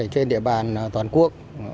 trên địa bàn toàn quốc